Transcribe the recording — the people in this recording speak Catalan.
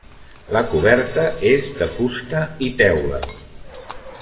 La coberta és de fusta i teula.